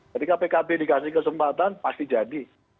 ketika pkb dikasih kesempatan pasti jadi